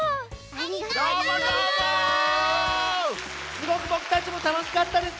すごくぼくたちもたのしかったです。